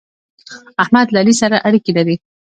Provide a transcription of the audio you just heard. احمد له علي سره اړېکې لري.